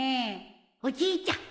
おじいちゃん